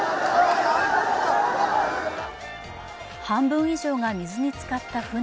半分以上が水につかった船。